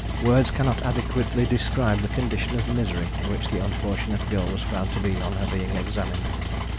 Words cannot adequately describe the condition of misery in which the unfortunate girl was found to be on her being examined.